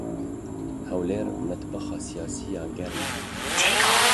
Hewlêr, midbexa siyasî ya germ!